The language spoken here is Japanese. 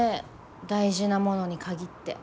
大事なものに限って。